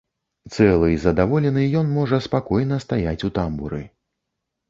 Цэлы і задаволены ён можа спакойна стаяць у тамбуры.